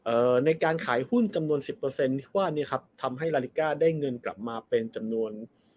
ในการขายหุ้นจำนวนสิบเปอร์เซ็นต์ที่ว่าเนี้ยครับทำให้ลาลิก้าได้เงินกลับมาเป็นจำนวน